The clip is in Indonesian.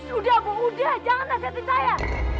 sudah bu udah jangan nasihatin saya